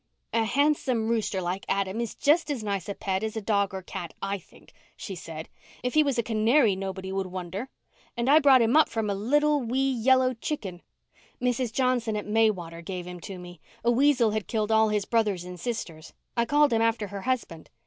"A handsome rooster like Adam is just as nice a pet as a dog or cat, I think," she said. "If he was a canary nobody would wonder. And I brought him up from a little, wee, yellow chicken. Mrs. Johnson at Maywater gave him to me. A weasel had killed all his brothers and sisters. I called him after her husband.